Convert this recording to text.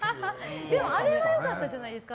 でも、あれは良かったじゃないですか。